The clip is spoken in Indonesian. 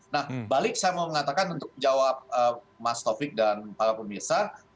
nah balik saya mau mengatakan untuk jawab mas taufik dan para pemirsa